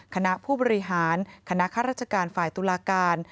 คณะผู้บริหารคณะข้าราชการฝ่ายตุลาการ